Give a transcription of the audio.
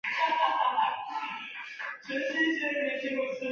距离克利夫兰约一小时半的车程。